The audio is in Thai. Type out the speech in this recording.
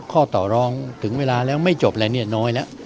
ข้อต่อร้องถึงเวลาแล้วไม่จบแล้วเนี่ยน้อยแล้ว